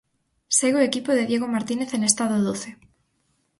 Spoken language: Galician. Segue o equipo de Diego Martínez en estado doce.